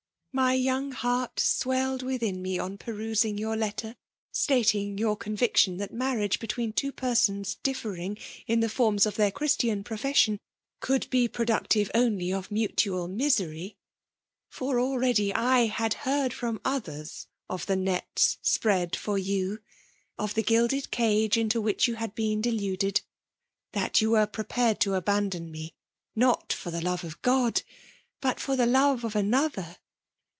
" My young heart swelled within me on perusing your letter, stating your conviction that marriage between two persons differing in the forms of their Christian profession could be productive only of mutual misery ; fot already I had heard from others of the ncf ft spread for you,— of the gilded cage into which you had been deluded, — that you were pre pared to abandon me, not for the lore of €rod, but for the love of another